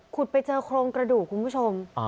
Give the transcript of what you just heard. ไปเจอโครงกระดูกคุณผู้ชม